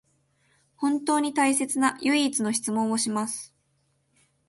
本当に大切な唯一の質問をします